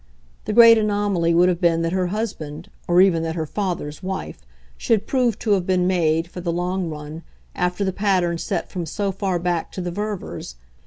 The great anomaly would have been that her husband, or even that her father's wife, should prove to have been made, for the long run, after the pattern set from so far back to the Ververs.